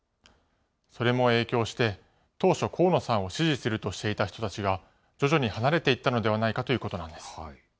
それも影響して、当初、河野さんを支持するとしていた人たちが、徐々に離れていったのではないかということなんです。